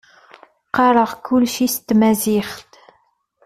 Qqareɣ kullec s tmaziɣt.